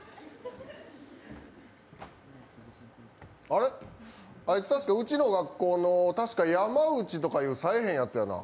あれっ、あいつ、確かうちの学校の山内とかいうさえへんヤツやな。